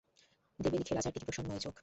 দেবে লিখে রাজার টিকে প্রসন্ন ওই চোখ!